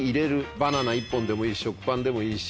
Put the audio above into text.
バナナ１本でもいい食パンでもいいし。